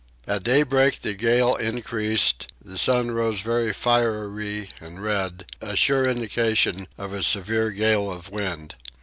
At daybreak the gale increased; the sun rose very fiery and red, a sure indication of a severe gale of wind.